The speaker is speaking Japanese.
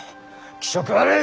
気色悪い！